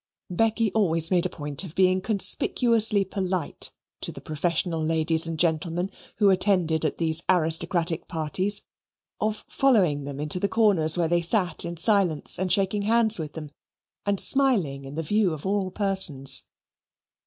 Becky always made a point of being conspicuously polite to the professional ladies and gentlemen who attended at these aristocratic parties of following them into the corners where they sat in silence, and shaking hands with them, and smiling in the view of all persons.